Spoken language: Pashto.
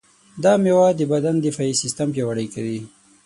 دا مېوه د بدن دفاعي سیستم پیاوړی کوي.